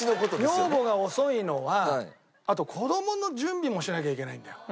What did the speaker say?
女房が遅いのは子供の準備もしなきゃいけないんだよ。